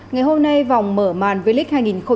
ngày hôm nay vòng mở màn vlic hai nghìn hai mươi ba